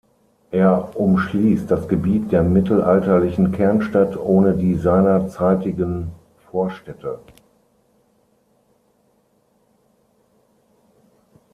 Er umschließt das Gebiet der mittelalterlichen Kernstadt ohne die seinerzeitigen Vorstädte.